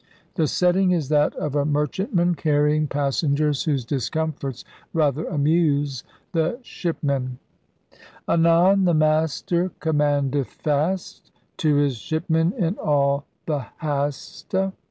The setting is that of a merchantman carrying passengers whose discomforts rather amuse the *schippemenne.' Anon the master commandeth fast To his ship men in all the hast[e].